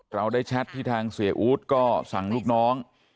เราได้แชทที่ทางเสียอู๊ดก็สั่งลูกน้อง